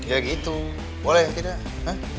ya gitu boleh tidak